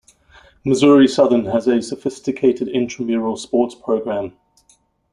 Missouri Southern has a sophisticated intramural sports program.